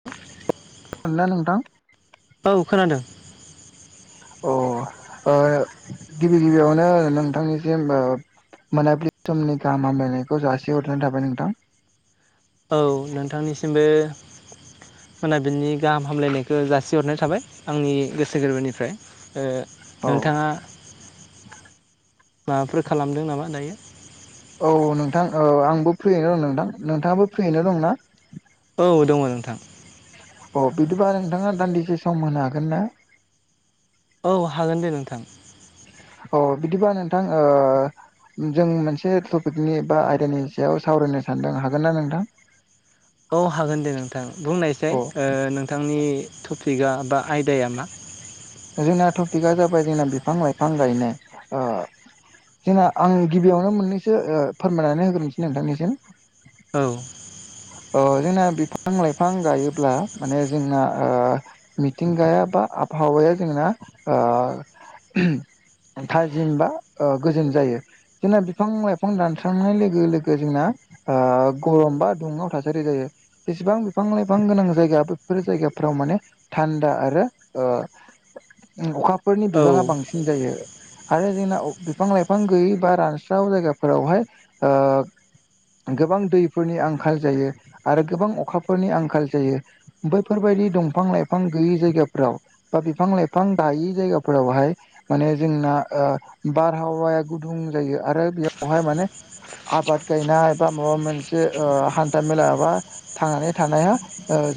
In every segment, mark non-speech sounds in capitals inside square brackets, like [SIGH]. [INAUDIBLE] खोनादों ना नोंथां? औ खोनादों। अ ओ गिबि गिबियावनो नोंथांनिसिम ओ मोनाबिलि समनि गाहामलायनायखौ जासि हरनानै थाबाय नोंथां। औ नोंथांनिसिमबो मोनाबिनि गाहाम हामलायनायखौ जासिहरनाय थाबाय आंनि गोसो गोरबोनिफ्राय। औ नोंथाङा माबाफोर खालामदों नामा दायो? औ नोंथां औ आंबो फ्रियैनो दं नोंथां नोंथाङाबो फ्रियैनो दं ना? औ दङ नोंथां। अ बिदिबा नोंथाङा दान्दिसे सम होनो हागोन ना? औ हागोन दे नोंथां। अ बिदिबा नोंथां ओ जों मोनसे टपिकनि बा आयदानि सायाव सावरायनो सानदों हागोन ना नोंथां? [INAUDIBLE] औ हागोन दे नोंथां बुंनासाय अ नोंथांनि टपिकआ बा आयदाया मा? जोंना टपिकआ जाबाय जोंना बिफां लाइफां गायनाय ओ जोंना आं गिबियावनो मोननैसो फोरमायनानै होग्रोनोसै नोंथांनिसिम। [INAUDIBLE] अ जोंना बिफां लाइफां गायोब्ला माने जोंना ओ मिथिंगाया बा आबहावाया जोंना थाजिमबा ओ गोजोन जायो। जोंना बिफां लाइफां दानस्रांनाय लोगो लोगो जोंना गरम बा दुंहाव थासारि जायो जेसेबां बिफां लाइफां गोनां जायगा बेफोर जायगाफ्राव माने थान्दा आरो ओ अखाफोरनि औ बिबाङा बांसिन जायो आरो जोंना बिफां लाइफां गैयै बा रानस्राव जायगाफोरावहाय ओ गोबां दैफोरनि आंखाल जायो आरो गोबां अखाफोरनि आंखाल जायो। बैफोरबायदि दंफां लाइफां गैयि जायगाफोराव। बा बिफां लाइफां गायि जायगाफोरावहाय माने जोंना ओ बारहावाया गुदुं जायो आरो बेयावहाय माने। आबाद गायनाय बा माबा मोनसे ओ हान्था मेला बा थांनानै थानाया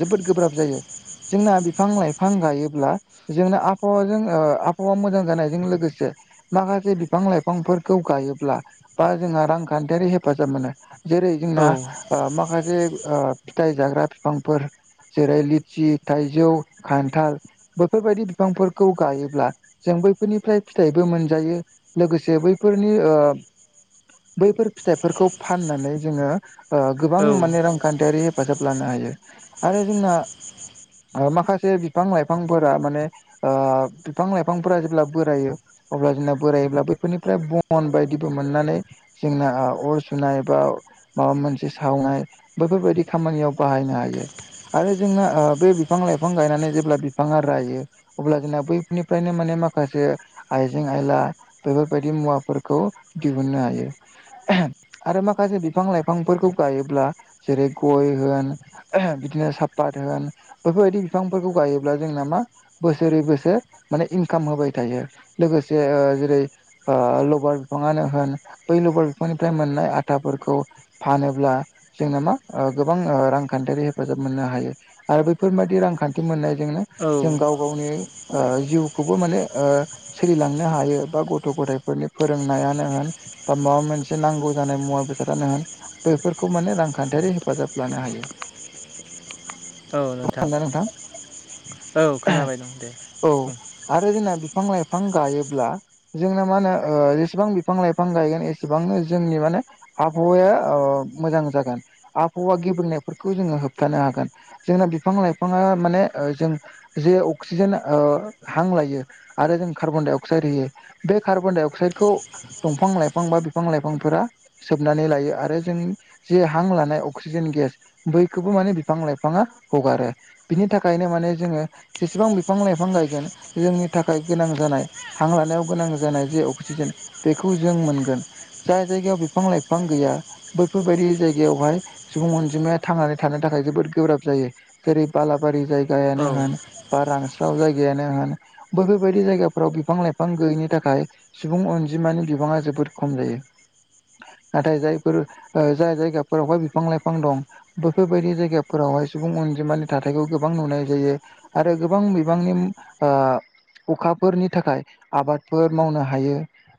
जोबोद गोब्राब जाय़ो। जोंना बिफां लाइफां गायोब्ला। जोंनो आबहावाजों ओ आबहावा मोजां जानायजों लोगोसे माखासे बिफां लाइफांफोरखौ गायोब्ला बा जोंहा रांखान्थियारि हेफाजाब मोनो। जेरै औ जोंना ओ माखासे फिथाइ जाग्रा बिफांफोर। जेरै लितचि थाइजौ खान्थाल बेैफोरबायदि बिफांफोरखौ गायोब्ला जों बैफोरनिफ्राय फिथाइबो मोनजायो लोगोसे बैफोरनि ओ बैफोर फिथाइफोरखौ फाननानै जोङो गोबां औ माने रांखान्थियारि हेफाजाब लानो हायो आरो जोंना ओ माखासे बिफां लाइफांफोरा माने ओ बिफां लाइफांफोरा जेब्ला बोरायो अब्ला जोंना बोरायोब्ला बैफोरनिफ्राय बन बायदिबो मोननानै जोंना अर सुनाय एबा माबा मोन से सावनाय बेैफोरबायदि खामानियाव बाहायनो हायो। आरो जोंना ओ बे बिफां लाइफां गायनानै जेब्ला बिफाङा रायो अब्ला जोंना बैफोरनिफ्रायनो माने माखासे आइजें आयला बेफोरबायदि मुवाफोरखौ दिहुननो हायो। आरो माखासे बिफां लाइफांफोरखौ गायोब्ला जेरै गय होन बिदिनो सापात होन बेफोरबायदि बिफांफोरखौ गायोब्ला जोंना मा? बोसोरै बोसोर माने इनकाम होबाय थायो लोगोसे ओ जेरै ओ लबार बिफाङानो होन बै लबार बिफांनिफ्राय मोननाय आथाफोरखौ फानो अब्ला जोंना मा ओ गोबां रांखान्थियारि हेफाजाब मोननो हायो। आरो बेफोरबायादि रांखान्थि मोननायजोंनो औ जों गाव गावनि। ओ जिउखौबो माने ओ। सोलिलांनो हायो बा गथ' गथायाइफोरनि फोरोंनायानो होन। बा माबा मोनसे नांगौ जानाय मुवा बेसादानो होन। बेफोरखौ माने रांखान्थियारि हेफाजाब लानो हायो। नोंथां। औ खोनाबाय दं दे। औ आरो जोंना बिफां लाइफां गायोब्ला। जोंना मा होनो ओ जेसेबां बिफां लाइफां गायगोन एसेबांनो जोंनि माने। आबहावाया ओ मोजां जागोन आबहावा गेबेंनायफोरखौ जोङो होबथानो हागोन। जोंना बिफां लाइफाङा माने ओ जों जे अक्सिजेन ओ हां लायो आरो जों कार्बन डाइ अक्साइद होयो। बे कार्बन-डाइ-अक्साइडखौ दंफां लाइफां बा बिफां लाइफांफोरा सोबनानै लायो आरो जोंनि जे हां लानाय अक्सिजेन गेस बैखौबो माने बिफां लाइफाङा हगारो। बिनि थाखायनो माने जोङो जेसेबां बिफां लाइफां गायगोन जोंनि थाखाय गोनां जानाय। हां लानायाव गोनां जानाय जे अक्सिजेन बेखौ जों मोनगोन। जाय जायगायाव बिफां लाइफां गैया बेफोरबायदि जायगायावहाय सुबुं अनजिमाया थांनानै थानो थाखाय जोबोद गोब्राब जायो। जेरै बालाबारि औ जायगायानो होन बा रानस्राव जायगायानो होन। बैफोरबायदि जायगाफोराव बिफां लाइफां गैयैनि थाखाय सुबुं अनजिमानि बिबाङा जोबोद खम जायो नाथाय जायफोर ओ जाय जायगाफोरावहाय बिफां लाइफां दं बैफोरबायदि जायगाफोरावहाय सुबुं अनजिमानि थाथायखौ गोबां नुनाय जायो। आरो गोबां बिबांनिम ओ अखाफोरनि थाखाय आबादफोर मावनो हायो।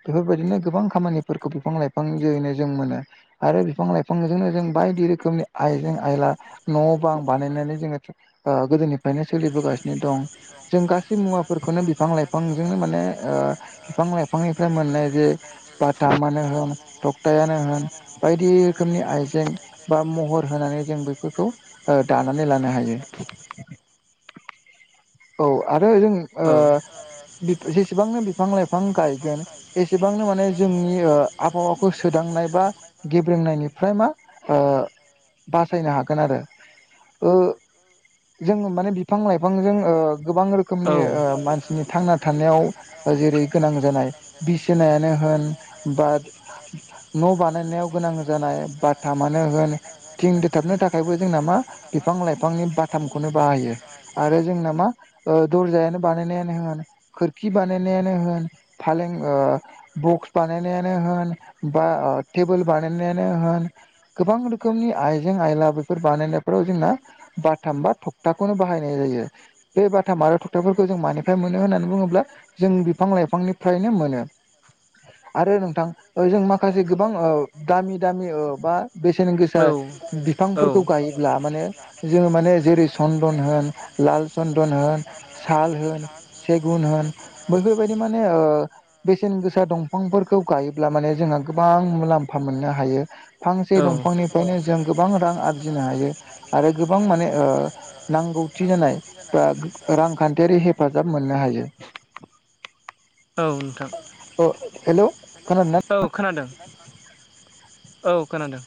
बेफोरबायदिनो गोबां खामानिफोरखौ बिफां लाइफां जयैनो जों मोनो। आरो बिफां लाइफांजोंनो जों बायदि रोखोमनि आइजें-आइला न' बां बानायनानै जोङो ओ गोदोनिफ्रायनो सोलिबोगासिनो दं। जों गासै मुवाफोरखौनो बिफां लाइफांजोंनो माने ओ बिफां लाइफांनिफ्राय मोननाय जे बातामानो होन तकतायानो होन बायदि रोखोमनि आइजें बा महर होनानै जों बेफोरखौ ओ दानानै लानो हायो [INAUDIBLE] औ आरो जों ओ औ जेसेबांनो बिफां लाइफां गायगोन एसेबांनो माने जोंनि ओ आबहावाखौ सोदांनाय बा गेब्रेंनायनिफ्राय मा ओ बासायनो हागोन आरो ओ जों माने बिफां लाइफांजों ओ गोबां औ रोखोमनि मानसिनि थांना थानायाव जेरै गोनां जानाय बिसिनायानो होन बा न' बानायनायाव गोनां जानाय बातामानो होन थिं दोथाबनो थाखायबो जोंना मा बिफां लाइफांनि बाथामखौनो बाहायो आरो जोंना मा ओ दर्जायानो बानायनायानो होन खोरखि बानायनायानो होन फालें ओ बक्स बानायनायानो होन बा टेबोल बानायनायानो होन गोबां रोखोमनि आइजें आयला बेफोर बानायनायफ्राव जोंना बाथाम बा थखथाखौनो बाहायनाय जायो। बे बाथाम आरो थखथाफोरखौ जों मानिफ्राय मोनो होननानै बुङोब्ला जों बिफां लाइफांनिफ्रायनो मोनो आरो नोंथां जों माखासे गोबां ओ दामि दामि बा बेसेन गोसा औ [UNINTELLIGIBLE] बिफांफोरखौ गायोब्ला माने जोङो माने जेरै सन्दन होन लाल सन्दन होन साल होन सेगुन होन बैफोरबायदि माने ओ बेसेन गोसा दंफांफोरखौ गायोब्ला माने जोंहा गोबां मुलाम फा मोननो हायो फांसे औ दंफांनिफ्रायनो जों गोबां रां आरजिनो हायो आरो गोबां माने ओ नांगौथि जानाय बा रांखान्थियारि हेफाजाब मोननो हायो नोंथां ओ हेलौ खोनादोंना? औ खोनादों औ खोनादों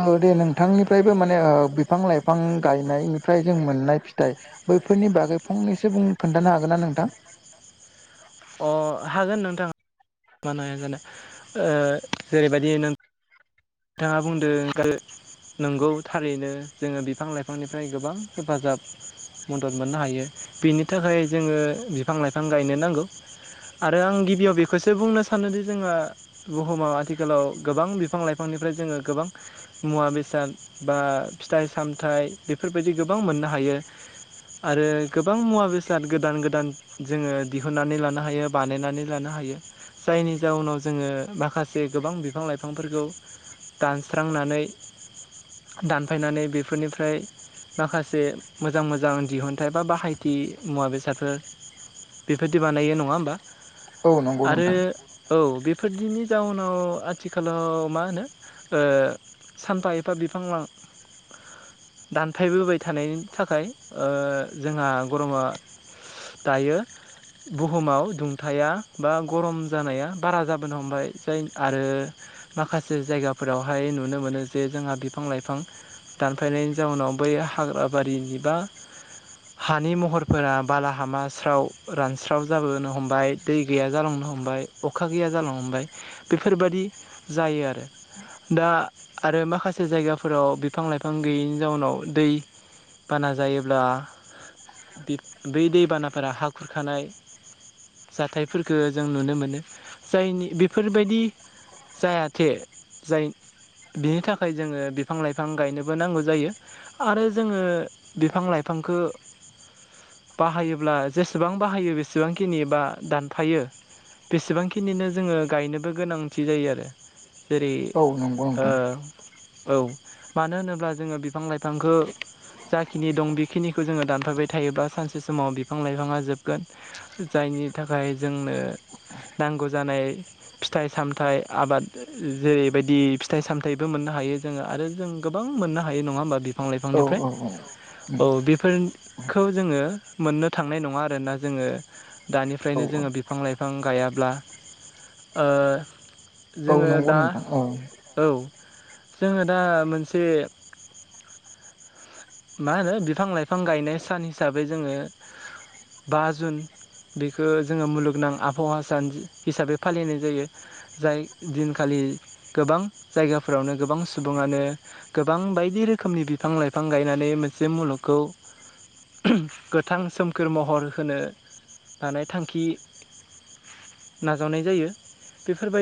ओ दे नोंथांनिफ्रायबो माने बिफां लाइफां गायनायनिफ्राय जों मोननाय फिथाइ बैफोरनि बागै फंनैसो बुं खोन्थानो हागोन ना नोंथां? अ हागोन नोंथाङा मानो हाया जानोे जेरैबायदि नों थाङा बुंदों नंगौ थारैनो जोङो बिफां लाइफांनिफ्राय गोबां हेफाजाब मदद मोननो हायो बिनि थाखाय जोङो बिफां लाइफां गायनो नांगो आरो आं गिबियाव बेखौसो बुंनो सानोदि जोङो बुहुमाव आथिखालाव गोबां बिफां लाइफांनिफ्राय जोङो गोबां मुवा बेसाद बा फिथाइ सामथाइ बेफोरबायदि गोबां मोननो हायो आरो गोबां मुवा बेसाद गोदान गोदान जोङो दिहुनन्नानै लानो हायो बानायनानै लानो हायो जायनि जाउनाव जोङो माखासे गोबां बिफां लाइफांफोरखौ दानस्रांनानै दानफायनानै बिफोरनिफ्राय माखासे मोजां मोजां दिहुनथाय बा बाहायथि मुवा बेसादफोर बेबायदि बानायो नङा होमबा औ नंगौ आरो नोंथां औ बेफोरदिनि जाउनाव आथिखालाव मा होनो ओ सानफा एफा बिफां लां दानफायबोबाय थानायनि थाखाय जोंहा गरमा दायो बुहुमाव थाया बा गरम जानाया बारा जाबोनो हमबाय जाय आरो माखासे जायगाफोरावहाय नुनो मोनो जे जोंहा बिफां लाइफां दानफायनायनि जाउनाव बै हाग्राबारिनि बा हानि महरफोरा बालाहामाास्राव रानस्राव जाबोनो हमबाय दै गैया जालांनो हमबाय अखा गैया जालांनो हमबाय बेफोरबायादि जायो आरो। दा आरो माखासे जायगाफोराव बिफां लाइफां गैयैनि जाउनाव दै बाना जायोब्ला बै दैबानाफोरा हा खुरखानाय जाथायफोरफोरखौ जों नुनो मोनो जायनि बेफोरबादि जायाथे जाय बिनि थाखाय जोङो बिफां लाइफां गायनोबो नांगौ जायो। आरो जोङो बिफां-लाइफांखौ बाहायोब्ला जेसेबां बाहायो बेसेबांखिनि बा दानफायो बेसेबांखिनिनो जोङो गायनोबो गोनांथि जायो आरो। जेरै औ नंगौ ओ नोंथां औ मानो होनोब्ला जोङो बिफां-लाइफांखौ जाखिनि दं बेखिनिखौ जोङो दानफाबाय थायोबा सानसे समाव बिफां लाइफाङा जोबगोन। जायनि थाखाय जोंनो नांगौ जानाय फिथाइ सामथाइ आबाद जेरैबायदि फिथाइ सामथाइबो मोननो हायो। जोङो आरो जों गोबां मोननो हायो नङा होमबा औ बिफां-लाइफांनिफ्राय औ औ बेफोर खौ जोङो मोननो थांनाय नङा आरोना जोङो दानि औ ओफ्रायनो उम औ जोङो बिफां लाइफां गायाब्ला ओ औ जोङो नंगौ दा नोंथां औ औ जोङो दा मोनसे मा होनो बिफां लाइफां गायनाय सान हिसाबै जोङो बा जुन बेखौ जोङो मुलुगनां आबहावा सान हिसाबै फालिनाय जायो। जाय दिनखालि गोबां जायगाफोरावनो गोबां सुबुङानो गोबां बायदि रोखोमनि बिफां लाइफां गायनानै नै मोनसे मुलुगखौ गोथां सोमखोर महर होनो हानाय थांखि नाजावनाय जायो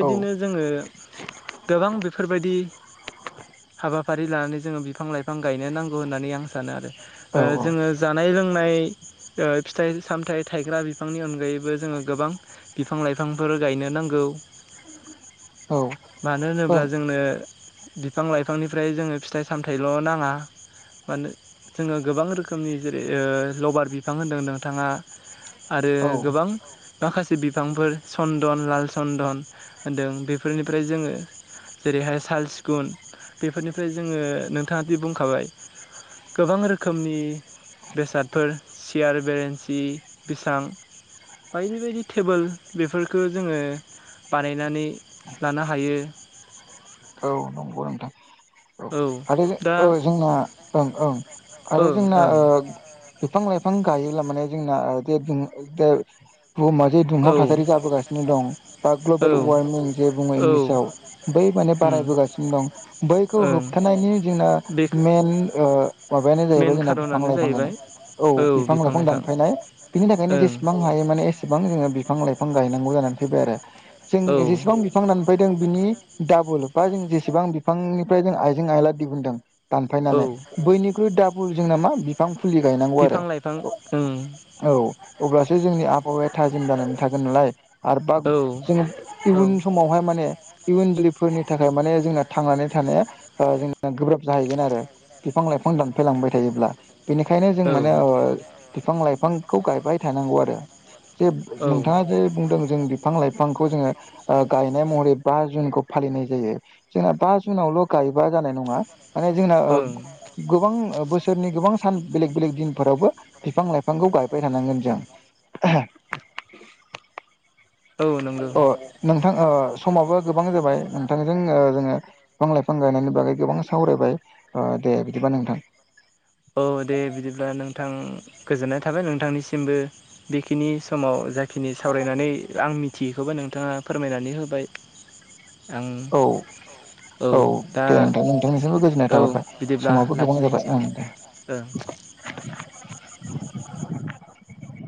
औ जोङो गोबां बेफोरबायदि हाबाफारि लानानै जोङो बिफां लाइफां गायनो नांग गौ आं सानो आरो औ औ जोङो जानाय-लोंनाय फिथाइ सामथाइ थायग्रा बिफांनि अनगायैबो जोङो गोबां बिफां लाइफांफोर गायनो नांगौ। [INAUDIBLE] मानो होनोब्ला ओं जोंनो बिफां लाइफांनिफ्राय जोङो फिथाइ सामथाइल' नाङा। मान जोङो गोबां रोखोमनि जेरै लबार बिफां होनदों नोंथाङा आरो औ गोबां माखासे बिफांफोर चन्दन लाल चन्दन होनदों बेफोरनिफ्राय जोङो जेरैहाय साल सिगुन बेफोरनिफ्राय जोङो नोंथाङा दि बुंखाबाय गोबां रोखोमनि बेसादफोर सियार बेरेन्सि बिसां बायदि बायदि टेबोल बेफोरखौ जोङो बानायनानै लानो हायो। औ नंगौ नोंथां। औ। दा औ जोंना ओं ओं आरो ओं जोंना ओं बिफां लाइफां गायोब्ला माने जोंना देर दिन देर बुहुमा जे दुंहाव औ थासारि जाबोगासिनो दं बा ग्लबेल औ वार्मिं जे बुङो औ इंलिसाव बै माने उम बारायबोगासिनो दं बैखौ ओं होबथानायनि जोंना बे मइेन ओ माबायानो मेन जाहैबाय जोंना बिफां खार'नानो लाइफां जाहैबाय गोनां औ बिफां लाइफां दानफायनाय बिनि थाखायनो ओं जेसेबां हायो माने एसे सेबां जोो बिफां लाइफां गायनांगौ जानानै फैबाय आरो जों औ जेसेबां बि फां दानफैदों बिनि डाबल बा जों जेसेबां बिफांनिफ्राय जों आइजें आइला दिहुनदों औ दानफायनानै बैनिख्रुइ दाबल जों नामा बिफां फुलि गायनांगौ आरो। बिफां लाइफां ओं औ अब्लासो जोंनि आबहावाया थाजिम जानानै थागोन नालाय आरो बा औ जोङो औ इयुन समावहाय माने इयुन जोलैफोरनि थाखाय माने जोंना थांनानै थानाया जोंना गोब्राब जाहैगोन आरो बिफां लाइफां दानफायलांबाय थायोब्ला बेनिखायनो जों औ माने बिफां लाइफांखौ गायबाय थानांगौ आरो जे औ नोंथाङा जे बुंदों। जों बिफां लाइफांखौ जोङो ओ गायनाय महरै बा जुनखौ फालिनाय जायो। जोंना बा जुनावल' गायोबा जानाय नङा माने जोंना ओं गोबां बोसोरनि गोबां सान बेलेग बेलेग दिनफोरावबो बिफां लाइफांखौ गायबाय थानांगोन जों [INAUDIBLE] औ नंगौ अ नोंथां समाबो गोबां जाबाय नोंथांजों जोङो बिफां लाइफां गायनायनि बागै गोबां सावरायबाय दे बिदिबा नोंथां। औ दे बिदिब्ला नोंथां गोजोननाय थाबाय नोंथांनिसिमबो बेखिनि समाव जाय खिनि सावरायनानै आं मिथियैखौबो नोंथाङा फोरमायनानै होबाय। आं औ। औ दे नोंथां नोंथांनिसिमबो गोजोननाय औ थाहरबाय समाबो गोबां जाबाय ओं दे। ओ।